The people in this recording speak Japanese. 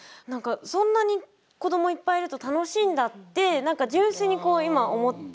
そんなに子どもいっぱいいると楽しいんだって純粋に今、思って。